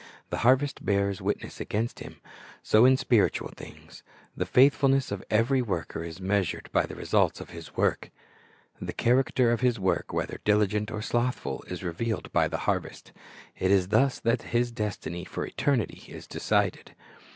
The harvest bears witness against him. So in spiritual things : the faithfulness of every worker is measured by the results of his work. The character of his work, whether diligent or slothful, is revealed by the harvest. It is thus that his destiny for eternity is decided.